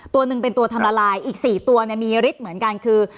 ตัวหนึ่งเป็นตัวทำละลายอีก๔ตัวมีฤทธิ์เหมือนกันคือ